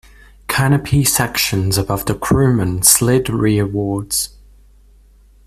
Canopy sections above the crewmen slid rearwards.